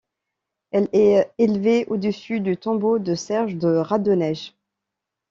Elle est élevée au-dessus du tombeau de Serge de Radonège.